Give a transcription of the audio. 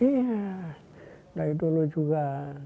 iya dari dulu juga